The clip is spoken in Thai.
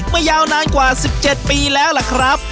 ยาวนานกว่า๑๗ปีแล้วล่ะครับ